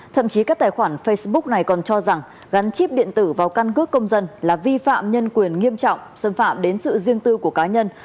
thậm chí các tài khoản facebook này còn cho rằng gắn chip điện tử vào căn cước công dân là vi phạm nhân quyền nghiêm trọng xâm phạm đến sự riêng tư của cá nhân